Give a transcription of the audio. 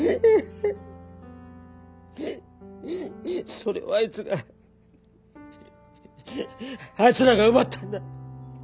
それをあいつがあいつらが奪ったんだ。